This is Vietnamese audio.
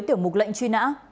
tiểu mục lệnh truy nã